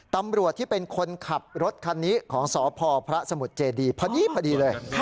ตำรวจที่เป็นคนขับรถคันนี้ของสพพระสมุทรเจดีพอดีเลย